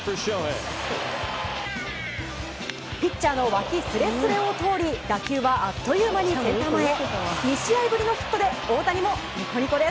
ピッチャーのわきすれすれを通り打球は、あっという間にセンター前へ。